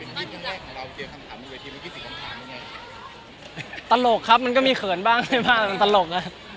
มันอยู่หลังเดดดีตะลกครับมันก็มีเขินบ้างได้มาก